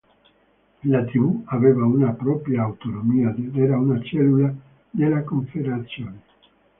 La tribù aveva una propria autonomia ed era una cellula della confederazione.